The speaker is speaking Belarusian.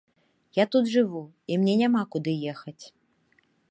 Я тут жыву і мне няма куды ехаць.